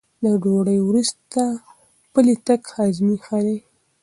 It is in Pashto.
له ډوډۍ وروسته پلی تګ هاضمه ښه کوي.